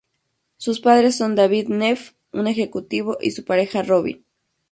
Sus padres son David Neff, un ejecutivo, y su pareja Robin.